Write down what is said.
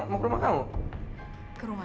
kok sepedanya gak ada